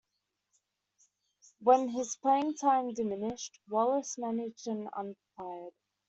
When his playing time diminished, Wallace managed and umpired.